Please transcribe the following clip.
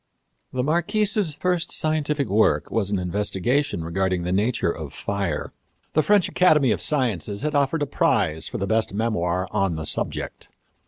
The Marquise's first scientific work was an investigation regarding the nature of fire. The French Academy of Sciences had offered a prize for the best memoir on the subject.